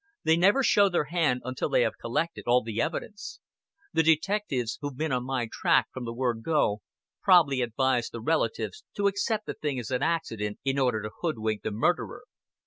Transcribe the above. They never show their hand until they have collected all the evidence. The detectives, who've been on my track from the word 'go,' prob'ly advised the relatives to accept the thing as an accident in order to hoodwink the murderer.